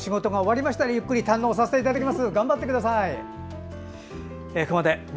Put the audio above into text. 仕事が終わったらゆっくり堪能させていただきます。